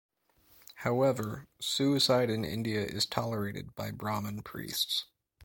However, suicide in India is tolerated by Brahman priests.